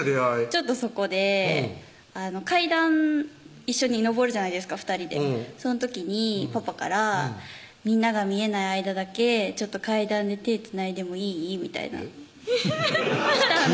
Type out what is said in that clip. ちょっとそこで階段一緒に上るじゃないですか２人でその時にパパから「みんなが見えない間だけ階段で手つないでもいい？」みたいなフフフッ急展開